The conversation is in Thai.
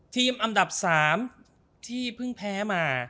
ทีมอันดับ๓ที่เพิ่งแพ้มา